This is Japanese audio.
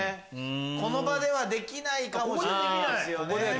この場ではできないかもしれないですよね。